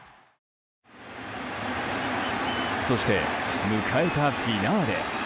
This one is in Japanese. そして、迎えたフィナーレ。